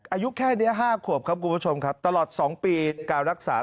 อายุแค่นี้๕ขวบครับคุณผู้ชมครับตลอด๒ปีการรักษา